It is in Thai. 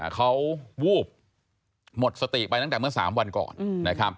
เขาวูบหมดสติไปตั้งแต่เมื่อสามวันก่อน